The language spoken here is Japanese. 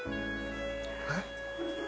えっ？